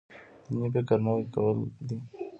دیني فکر نوی کول دی.